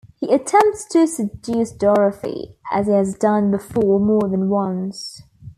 He attempts to seduce Dorothy, as he has done before more than once.